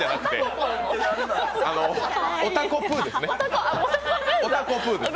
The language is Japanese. あの、おたこぷーですね。